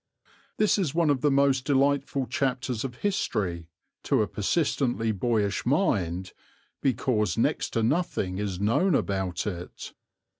This is one of the most delightful chapters of history, to a persistently boyish mind, because next to nothing is known about it.